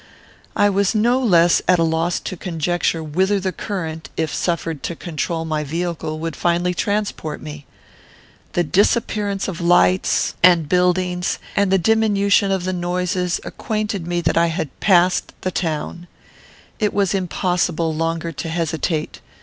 I was no less at a loss to conjecture whither the current, if suffered to control my vehicle, would finally transport me. The disappearance of lights and buildings, and the diminution of the noises, acquainted me that I had passed the town. It was impossible longer to hesitate.